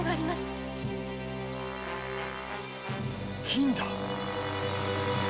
金だ！